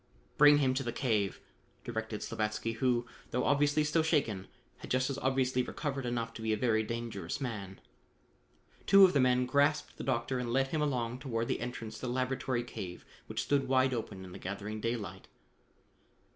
"Bring him to the cave," directed Slavatsky, who, though obviously still shaken, had just as obviously recovered enough to be a very dangerous man. Two of the men grasped the doctor and led him along toward the entrance to the laboratory cave which stood wide open in the gathering daylight.